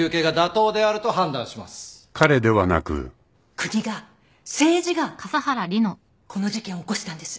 国が政治がこの事件を起こしたんです。